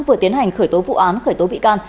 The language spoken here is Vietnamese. vừa tiến hành khởi tố vụ án khởi tố bị can